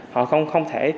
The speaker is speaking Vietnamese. họ không thể